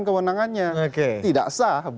kewenangannya tidak sah